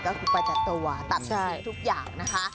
ก็คือประจัดตัวตัดทุกสิ่งทุกอย่างนะคะ